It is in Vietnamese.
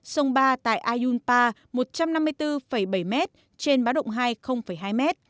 sông ba tại ayunpa một trăm năm mươi bốn bảy m trên báo động hai hai m